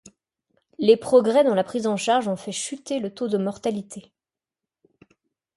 Les progrès dans la prise en charge ont fait chuter le taux de mortalité.